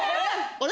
あれ？